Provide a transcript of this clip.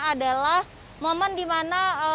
adalah momen di mana